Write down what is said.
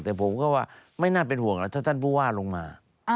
แต่ผมก็ว่าไม่น่าเป็นห่วงแล้วถ้าท่านผู้ว่าลงมา